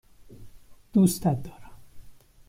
دوستت دارم.